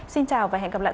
xin chào và hẹn gặp lại